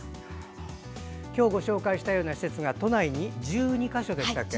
今日紹介したような施設が都内に１２箇所でしたっけ。